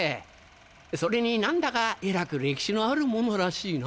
それに何だかえらく歴史のあるものらしいな。